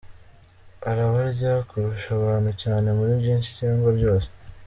Arabarya !”: Kurusha abantu cyane muri byinshi cyangwa byose.